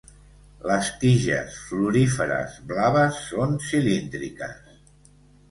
Les tiges floríferes blaves són cilíndriques.